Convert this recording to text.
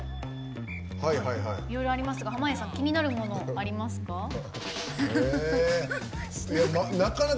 いろいろありますが、濱家さん気になるものありますか？